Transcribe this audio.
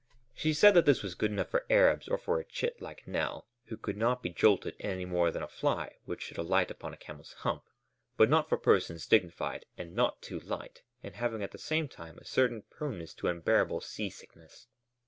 She said that this was good enough for Arabs or for a chit like Nell, who could not be jolted any more than a fly which should alight upon a camel's hump, but not for persons dignified, and not too light, and having at the same time a certain proneness to unbearable sea sickness.